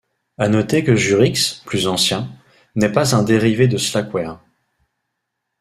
À noter que Jurix, plus ancien, n’est pas un dérivé de Slackware.